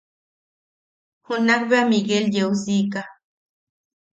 Junak bea Miguel yeusiika.